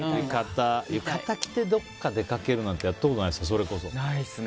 浴衣着てどこか出かけるなんてやったことないです。